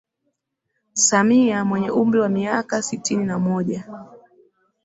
Samia mwenye umri wa miaka sitini na moja